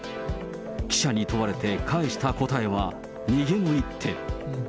記者に問われて返したことばは逃げの一手。